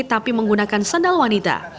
tapi menggunakan sandal wanita